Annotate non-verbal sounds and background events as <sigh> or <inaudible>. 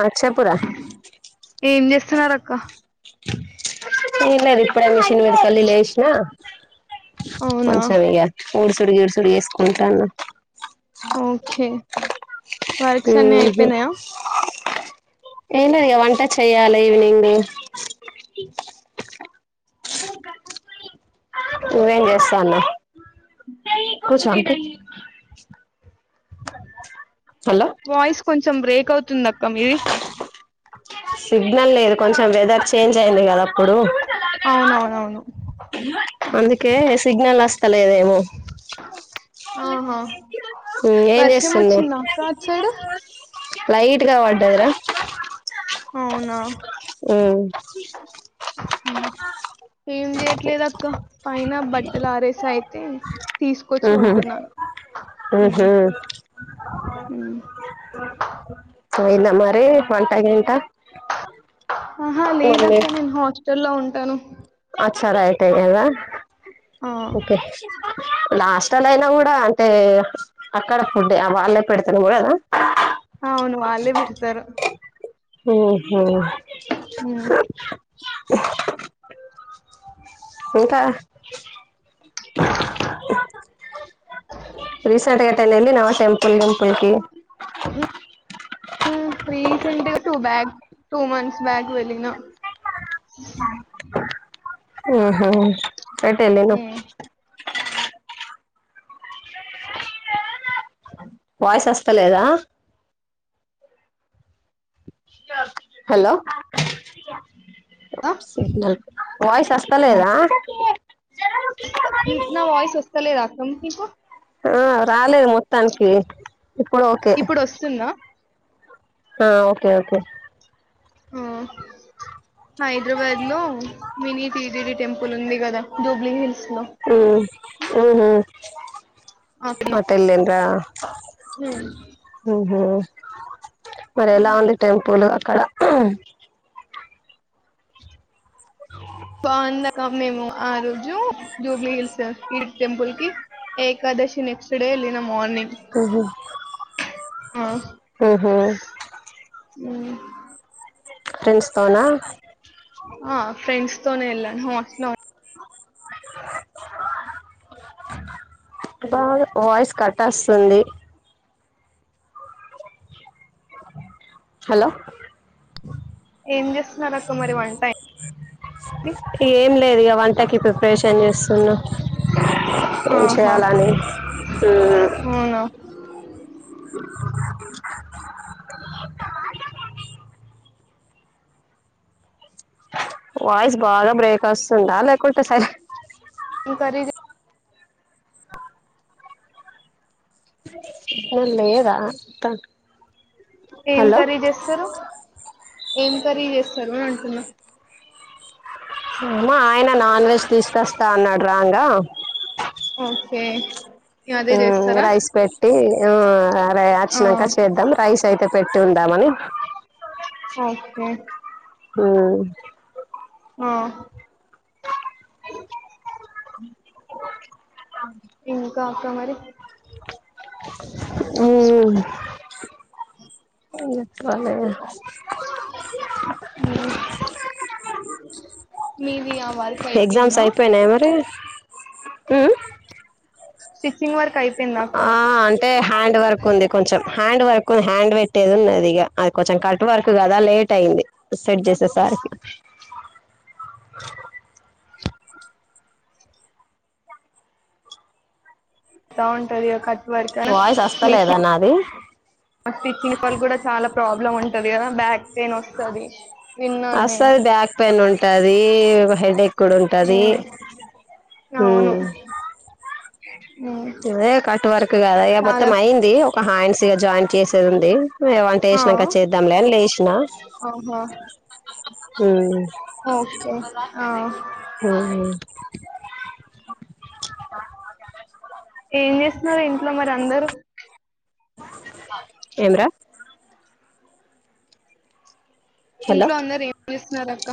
ఆ చెప్పురా ఏం చేస్తున్నారు అక్క ఏం లేదు ఇప్పుడే మిషన్ మీద కెళ్ళి లేషినా అవునా కొంచెం ఇగ ఊడ్సుడు గీడ్సుడు వేసుకుంటాన్నా ఓకే వర్క్స్ అన్ని ఊహూ అయిపోయినాయా నేనూ ఇగ వంట చేయాలి ఈవెనింగు నువ్వేం చేస్తాన్నా కూర్చో ఆంటి వాయిస్ కొంచెం బ్రేక్ అవ్ తుందక్క మీది సిగ్నల్ లేదు కొంచెం వెదర్ చేంజ్ అయింది కదప్పుడు అవునవునవును అందుకే సిగ్నల్ అస్ త్తలేదేమో ఆహో మ్ ఏం వర్షం వచ్చిందా అక్క ఆటు సైడు లై ట్టుగా వడ్డదిరా అవునా ఊ ఏం చేయట్లేదు అక్క పైన బట్టలు ఆరేసైతే మ్ హు తీసుకొచ్చుకుంటున్నాను మ్ ఊ హు ఊ పోయిందా మరి వంట గింట ఆహా మమ్మీ లేదక్క నను హాస్ స్టల్లో ఉంటాను సరా అయితే గదా ఆ ఓకే లాస్టల్ అయినా గూడా అంటే అక్కడ ఫుడ్ వాళ్ళే పెడుతానేమో గదా అవును వాళ్లే బెడతారు ఊహూ ఊ ఇంకా రీసెంట్గా ఎటెనా ఎళ్ళినవా టెం <inaudible> రీసెంటు గా two bag two months back వెళ్ళినా ఊహూ అటెళ్ళిను ఉమ్ వాయిస్ వస్తలేదా హలో ఆ సిగ్నల్ వాయిస్ ఆ వస్తలేదా నా వయిస్ వస్తలేద మీకు ఆ రాలేదు మొత్తానికి ఇప్పుడు ఓకే ఇప్పుడు వస్తుందా ఆ ఓకే ఓకే ఆ హైదరాబాద్ లో మినీ టీటిడి టెంపుల్ ఉంది కదా డూబ్లిహిల్స్ ఉమ్ ఆ ఆ అవునా మటల్ందరా హ హ మరి ఎలా ఉంది టెంపుల్ కడ అవు బో అందక మేము ఆ రోజు జూబ్లీ హిల్స్ ఈడి టెంపుల్ కి ఏకాదశి నెక్స్ట్ డే వెళ్ళినము హ ఆ అవు ఫ్రెండ్స్తోనా ఆ ఫ్రెండ్స్ తోనే వెళ్ళాను అట్లు బా వాయిస్ కట్ వస్తుంది హలో ఏం చేస్తున్నారు అక్క మరి వంట అయింది ఏం లేదు ఇక వంటకి ప్రిపరేషన్ చేస్తున్నా ఏం ఆహా చేయాలని అవునా వాయిస్ బాగా బ్రేక్ వస్తుందా లేకుంటే సరే కద అ ఏద తను ఏం కరి చేస్తారు ఏం కరీ చేస్తారు అని అంటున్నా అమా ఆయన నాన్ వెజ్ తీస్తకొస్తా అన్నాడు రాంగా ఒకే రైస్ పెట్టి ఆ ఆ వచ్చినాక చేద్దాం రైస్ అయితే పెట్టి ఉంటామని ఓకే ఉమ్ ఆ ఇంకా అక్క మరి ఊ అదే మీది ఆ వర్క్ అయిపోయిందా ఉ స్టిచింగ్ వర్ ఆ అంటే హ్యాండ్ వర్క్ ఉంది కొంచెం హ్యాండ్ వర్క్ కొన్ని హ్యాండ్ పెట్టేది ఉన్నది ఇక అది కొంచెం కట్ వరకు కదా లేట్ అయింది సెట్ చేసేసరికి బావుంటది ఆ కట్ వర్క్ అనా వాయిస్ వస్తలేదా మిషన్ నాది స్టిచ్చింగ్ పల్ కూడా చాలా ప్రాబ్లం ఉంటది కదా బ్యాక్ పెయిన్ వస్తది విన్నాను నేను అసది బ్యాక్ పెయిన్ ఉంటది హెడ్ ఎక్ కూడా ఉంటది మ్ ఉ అవును మ్ ఇదే కట్ వర్క్ కదా ఇక చాలా మొత్తం అయింది ఒక హాండ్స్ జాయిన్ చేసేది ఉంది ఏ వంట చేసినాక చేద్దాంలే అని లేసి ఆహో ఓకే ఆ ఉహు ఏం చేస్తున్నారు ఏంటి మరి అందరు ఏమ్రా హలో ఇంట్లో అందరు ఏం చేస్ నారక్క